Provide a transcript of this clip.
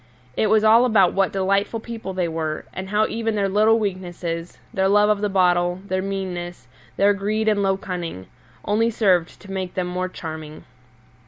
It was all about what delightful people they were, and how even their little weaknesses their love of the bottle, their meannesses, their greed and low cunning only served to make them more charming.